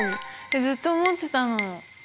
ずっと思ってたの。